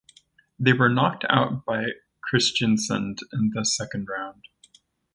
They were knocked out by Kristiansund in the Second Round.